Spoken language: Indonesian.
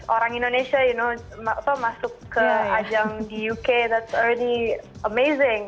orang indonesia masuk ke ajang di uk that's already amazing